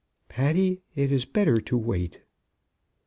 "Patty, it is better to wait."